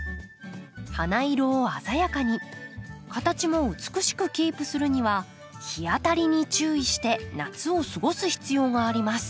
花色を鮮やかに形も美しくキープするには日当たりに注意して夏を過ごす必要があります。